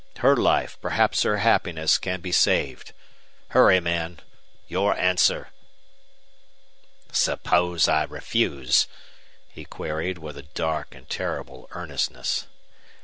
Her life, perhaps her happiness, can be saved! Hurry, man! Your answer!" "Suppose I refuse?" he queried, with a dark and terrible earnestness.